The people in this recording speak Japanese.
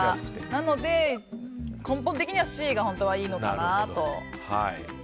なので、根本的にはＣが本当はいいのかなと。